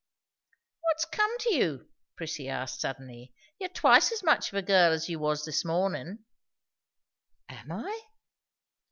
"What's come to you?" Prissy asked suddenly. "You're twice as much of a girl as you was this mornin'." "Am I?"